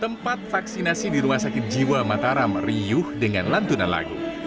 tempat vaksinasi di rumah sakit jiwa mataram riuh dengan lantunan lagu